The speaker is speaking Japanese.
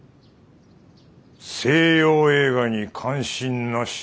西洋映画に関心なし。